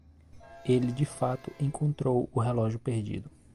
Ele de fato encontrou o relógio perdido.